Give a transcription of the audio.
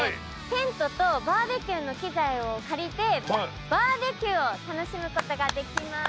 テントとバーベキューの器材を借りてバーベキューを楽しむことができます。